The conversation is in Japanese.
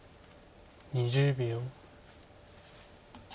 ２０秒。